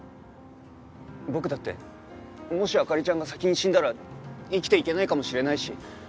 僕だってもし灯ちゃんが先に死んだら生きていけないかもしれないし。